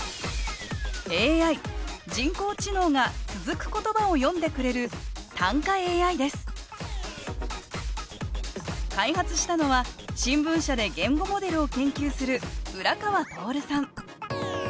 ＡＩ＝人工知能が続く言葉を詠んでくれる開発したのは新聞社で言語モデルを研究する浦川通さん